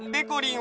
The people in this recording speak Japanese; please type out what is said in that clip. ん。